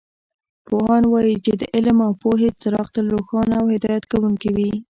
پوهان وایي چې د علم او پوهې څراغ تل روښانه او هدایت کوونکې وي